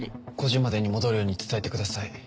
５時までに戻るように伝えてください。